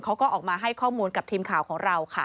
เขาก็ออกมาให้ข้อมูลกับทีมข่าวของเราค่ะ